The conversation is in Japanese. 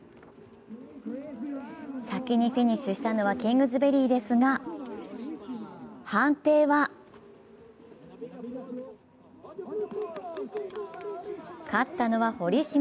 先にフィニッシュしたのはキングズベリーですが判定は勝利したのは堀島。